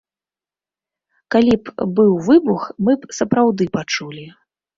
Калі б быў выбух, мы б сапраўды пачулі.